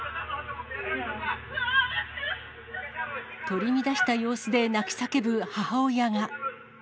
取り乱した様子で泣き叫ぶ母親が。